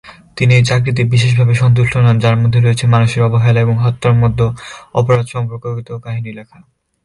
তিনি এই চাকরিতে বিশেষভাবে সন্তুষ্ট নন, যার মধ্যে রয়েছে মানুষের অবহেলা এবং হত্যার মতো অপরাধ সম্পর্কিত কাহিনী লেখা।